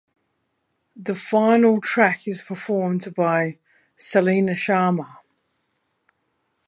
The final track is performed by Celina Sharma.